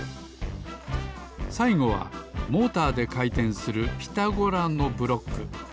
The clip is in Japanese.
さいごはモーターでかいてんするピタゴラのブロック。